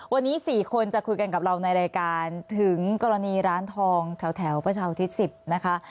วันนี้๔คนจะคุยกันกับเราในรายการถึงกรณีร้านทองแถวประชาอุทิศ๑๐นะคะ